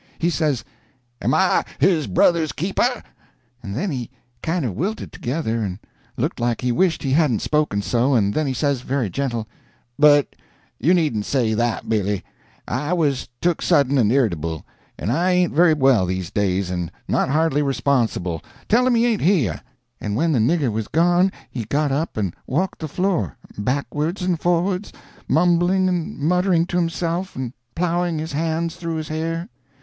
He says: "Am I his brother's keeper?" And then he kind of wilted together, and looked like he wished he hadn't spoken so, and then he says, very gentle: "But you needn't say that, Billy; I was took sudden and irritable, and I ain't very well these days, and not hardly responsible. Tell him he ain't here." And when the nigger was gone he got up and walked the floor, backwards and forwards, mumbling and muttering to himself and plowing his hands through his hair.